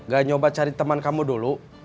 gak nyoba cari teman kamu dulu